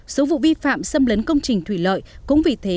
số vụ vi phạm xâm lấn công trình thủy lợi cũng vì thế